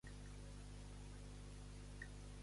Com el va anomenar Cleombrot I d'Esparta?